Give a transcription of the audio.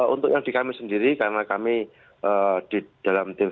untuk yang di kami sendiri karena kami di dalam tim